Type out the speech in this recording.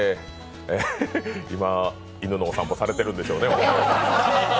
今、犬のお散歩されているんでしょうね。